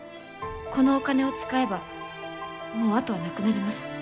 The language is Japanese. このお金を使えばもう後はなくなります。